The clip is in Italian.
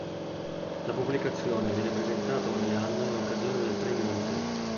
La pubblicazione viene presentata ogni anno in occasione del Premio Ubu